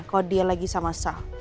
kalo dia lagi sama sal